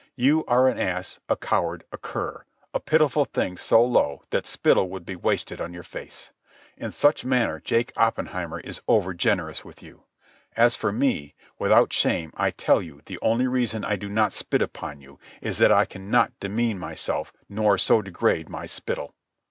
"You are an ass, a coward, a cur, a pitiful thing so low that spittle would be wasted on your face. In such matter Jake Oppenheimer is over generous with you. As for me, without shame I tell you the only reason I do not spit upon you is that I cannot demean myself nor so degrade my spittle."